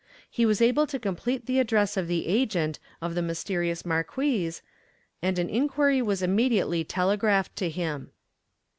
He was able to complete the address of the agent of the mysterious marquise, and an inquiry was immediately telegraphed to him.